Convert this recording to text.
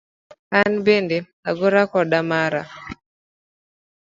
An bende agora koda mara.